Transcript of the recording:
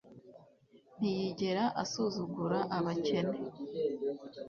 ntiyigera asuzugura abakene